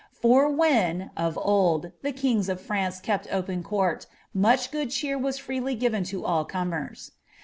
For when, of old, the kings of France kept open court, much good cheer WB» freely given to all comers.